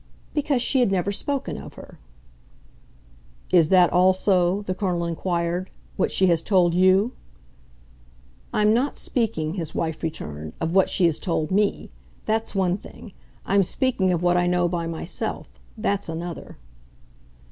"Because she had never spoken of her." "Is that also," the Colonel inquired, "what she has told you?" "I'm not speaking," his wife returned, "of what she has told me. That's one thing. I'm speaking of what I know by myself. That's another."